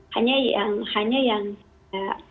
hanya yang hanya yang